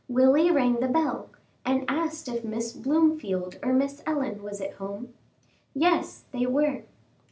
Willie rang the bell, and asked if Miss Blomefield or Miss Ellen was at home. Yes, they were.